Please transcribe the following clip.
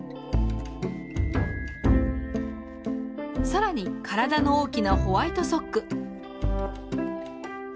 さらに体の大きなホワイトソック。